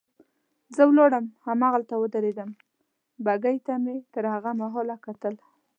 زه ولاړم هماغلته ودرېدم، بګۍ ته مې تر هغه مهاله کتل.